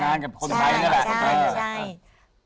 มาแต่งงานกับคนไทยเนี่ยแหละ